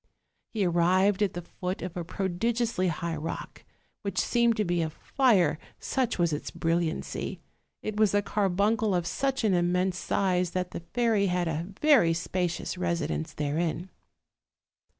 He arrived at the foot of a prodigiously high rock, which seemed to be of fire, such was its brilliancy; it was a carbuncle of such an immense size that the fairy had a very spacious residence therein.